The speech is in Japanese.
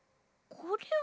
これは。